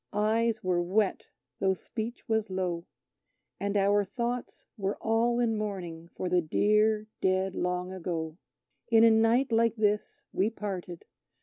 Eyes were wet though speech was low, And our thoughts were all in mourning for the dear, dead Long Ago! In a night like this we parted.